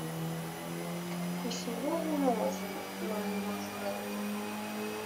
— Кошового можа маємо жонити.